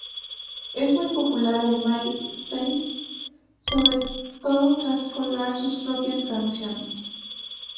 Es muy popular en MySpace, sobre todo tras colgar sus propias canciones.